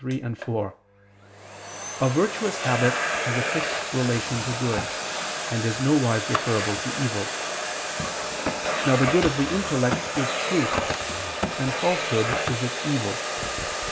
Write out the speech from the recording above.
3, 4), a virtuous habit has a fixed relation to good, and is nowise referable to evil. Now the good of the intellect is truth, and falsehood is its evil.